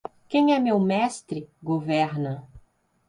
Quem é meu mestre, governa